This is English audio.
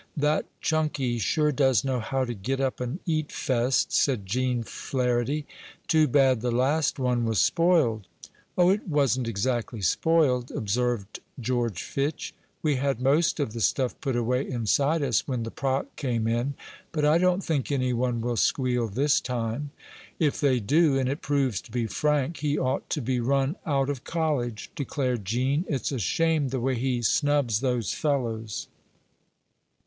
"That Chunky sure does know how to get up an eat fest," said Gene Flarity. "Too bad the last one was spoiled." "Oh, it wasn't exactly spoiled," observed George Fitch. "We had most of the stuff put away inside us when the proc came in. But I don't think any one will squeal this time." "If they do, and it proves to be Frank, he ought to be run out of college," declared Gene. "It's a shame the way he snubs those fellows."